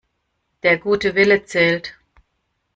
Der gute Wille zählt.